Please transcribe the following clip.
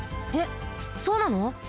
えっそうなの？